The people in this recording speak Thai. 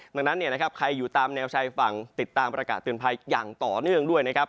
ดังนั้นใครอยู่ตามแนวชายฝั่งติดตามประกาศเตือนภัยอย่างต่อเนื่องด้วยนะครับ